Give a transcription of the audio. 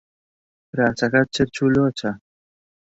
کراسەکەت چرچ و لۆچە.